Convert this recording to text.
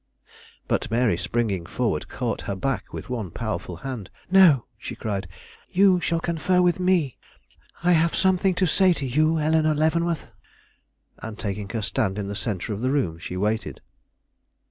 But Mary, springing forward, caught her back with one powerful hand. "No," she cried, "you shall confer with me! I have something to say to you, Eleanore Leavenworth." And, taking her stand in the centre of the room, she waited.